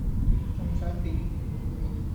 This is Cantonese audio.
仲想點?